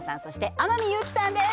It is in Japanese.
天海祐希さんです